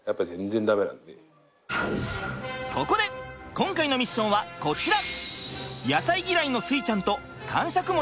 今回のミッションはこちら！